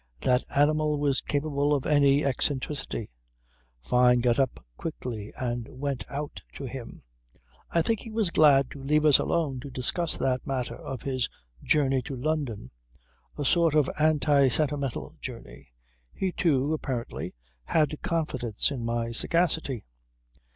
That animal was capable of any eccentricity. Fyne got up quickly and went out to him. I think he was glad to leave us alone to discuss that matter of his journey to London. A sort of anti sentimental journey. He, too, apparently, had confidence in my sagacity.